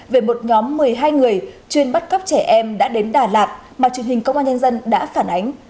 về một nhóm một mươi hai người chuyên bắt cóc trẻ em đã đến đà lạt mà truyền hình công an nhân dân đã phản ánh